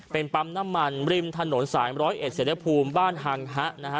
เป็นปั๊มน้ำมันริมถนนสายร้อยเอ็ดเศรษฐภูมิบ้านฮังฮะนะฮะ